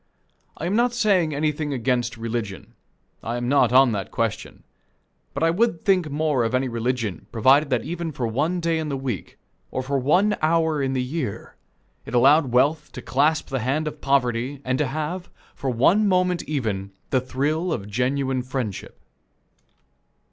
I am not saying anything against religion. I am not on that question; but I would think more of any religion, provided that even for one day in the week, or for one hour in the year, it allowed wealth to clasp the hand of poverty and to have, for one moment even, the thrill of genuine friendship.